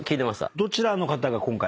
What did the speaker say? どちらの方が今回。